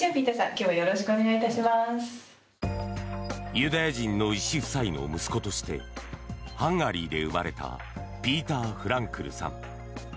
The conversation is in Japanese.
ユダヤ人の医師夫妻の息子としてハンガリーで生まれたピーター・フランクルさん。